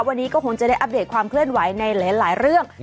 วันนี้ก็คงจะได้อัปเดตความเคลื่อนไหวในหลายเรื่อง